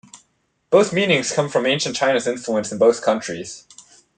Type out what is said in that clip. Both meanings come from ancient China's influence in both countries.